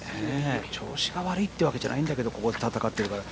調子が悪いというわけじゃないんだけどここで戦ってるから。